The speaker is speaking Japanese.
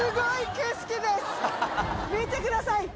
見てください！